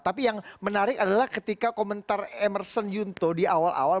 tapi yang menarik adalah ketika komentar emerson yunto di awal awal